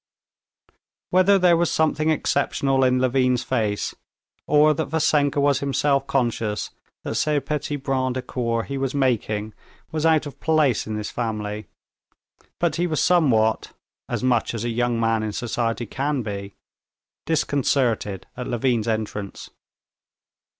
Whether there was something exceptional in Levin's face, or that Vassenka was himself conscious that ce petit brin de cour he was making was out of place in this family, but he was somewhat (as much as a young man in society can be) disconcerted at Levin's entrance.